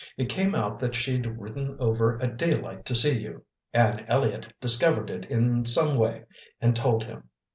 It came out that she'd ridden over at daylight to see you; Anne Elliott discovered it in some way and told him."